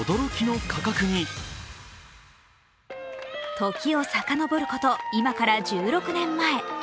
時を遡ること今から１６年前。